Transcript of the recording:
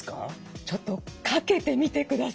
ちょっとかけてみてください。